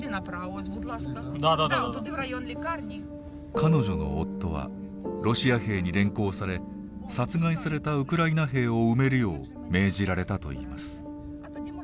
彼女の夫はロシア兵に連行され殺害されたウクライナ兵を埋めるよう命じられたといいます。